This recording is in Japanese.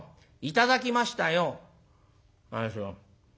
「頂きましたよ」。